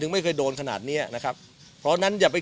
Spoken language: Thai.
ไม่เคยโดนขนาดเนี้ยนะครับเพราะฉะนั้นอย่าไป